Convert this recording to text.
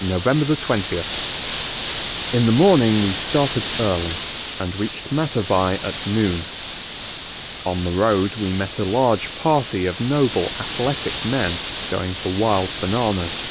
November 20th. In the morning we started early, and reached Matavai at noon. On the road we met a large party of noble athletic men, going for wild bananas.